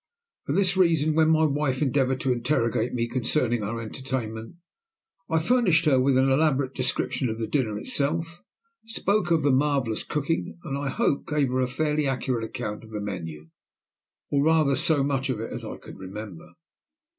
For this reason, when my wife endeavoured to interrogate me concerning our entertainment, I furnished her with an elaborate description of the dinner itself; spoke of the marvellous cooking, and I hope gave her a fairly accurate account of the menu, or rather so much of it as I could remember.